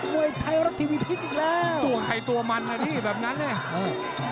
มวยไทยรักทีวีพีคอีกแล้วตัวไข่ตัวมันแบบนั้นเนี่ย